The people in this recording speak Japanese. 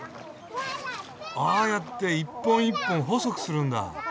ああやって１本１本細くするんだ。